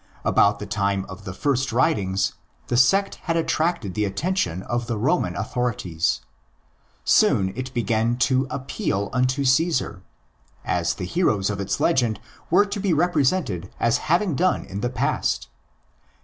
About the time of the first writings the sect had attracted the attention of the Roman authorities. Soon it began to "' appeal unto Cesar''; as the heroes of its legend were to be represented as having done in the past.